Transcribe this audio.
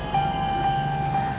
terima kasih bu